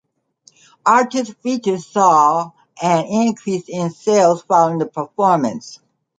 Artists featured saw an increase in sales following the performance.